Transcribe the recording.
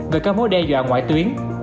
về các mối đe dọa ngoại tuyến